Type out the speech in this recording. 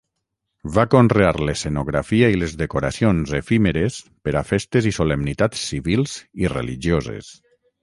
Va conrear l'escenografia i les decoracions efímeres per a festes i solemnitats civils i religioses.